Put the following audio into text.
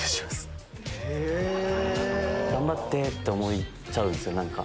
頑張って！って思っちゃうんですよ